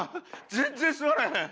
全然吸われへん！